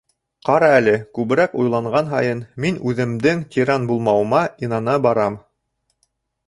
Ҡара әле, күберәк уйланған һайын, мин үҙемдең тиран булмауыма инана барам.